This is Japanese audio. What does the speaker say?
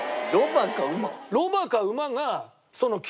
ロバか馬？